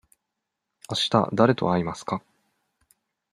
あしただれと会いますか。